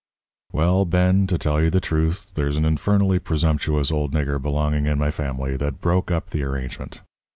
"Well, Ben, to tell you the truth, there's an infernally presumptuous old nigger belonging in my family that broke up the arrangement.